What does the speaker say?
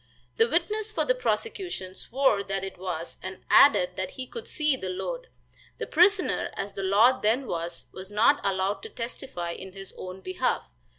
The witness for the prosecution swore that it was, and added that he could see the load. The prisoner, as the law then was, was not allowed to testify in his own behalf.